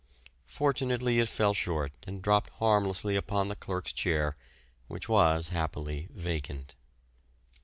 Fortunately, it fell short and dropped harmlessly upon the clerk's chair, which was happily vacant.